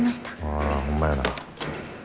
ああホンマやな。